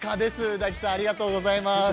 大吉さん、ありがとうございます。